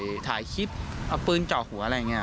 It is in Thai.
เหตุการณ์เกิดขึ้นแถวคลองแปดลำลูกกา